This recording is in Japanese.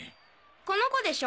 この子でしょ？